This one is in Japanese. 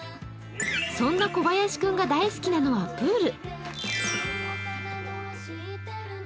そんな小林くんが大好きなのはプール。